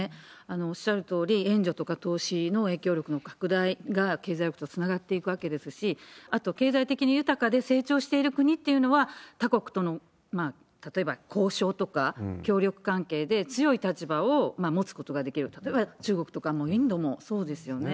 おっしゃるとおり、援助とか投資の影響力の拡大が経済力とつながっていくわけですし、あと、経済的に豊かで成長している国っていうのは、他国との例えば交渉とか協力関係で強い立場を持つことができる、例えば中国とかインドもそうですよね。